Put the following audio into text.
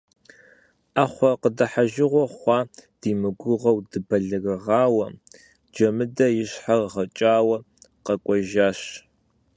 Ӏэхъуэ къыдыхьэжыгъуэ хъуа димыгугъэу дыбэлэрыгъауэ, Джэмыдэ и щхьэр гъэкӀауэ къэкӀуэжащ.